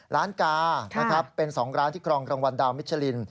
ร้านกาเป็นสองร้านที่ครองรางวัลดาวน์มิชลิน